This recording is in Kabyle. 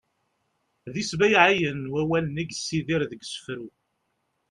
d isbayɛiyen wawalen i yessidir deg usefru